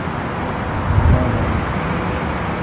اللہ دا بی۔